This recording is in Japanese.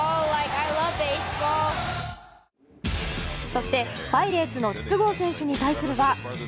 そして、パイレーツの筒香選手に対するは。